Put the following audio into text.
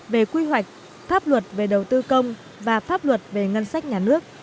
về quy hoạch pháp luật về đầu tư công và pháp luật về ngân sách nhà nước